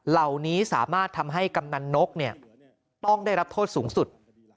เหล่านี้สามารถทำให้กำนันนกต้องได้รับโทษสูงสุด